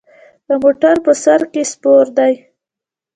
د موټر په سر کې سپور دی.